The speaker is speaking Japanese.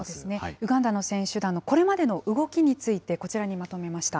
ウガンダの選手団のこれまでの動きについて、こちらにまとめました。